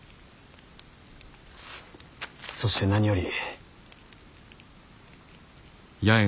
そして何より。